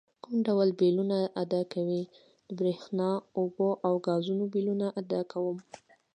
کوم ډول بیلونه ادا کوئ؟ د بریښنا، اوبو او ګازو بیلونه ادا کوم